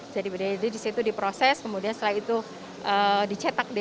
jadi disitu diproses kemudian setelah itu dicetak